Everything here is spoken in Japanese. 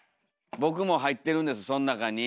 僕も入ってるんですその中に。